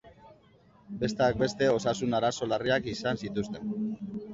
Besteak beste, osasun-arazo larriak izan zituzten.